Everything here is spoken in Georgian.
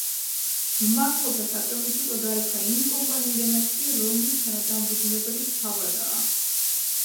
მმართველთა საბჭომ ის უკვე გარიცხა იმ კომპანიიდანაც კი, რომლის თანადამფუძნებელიც თავადაა.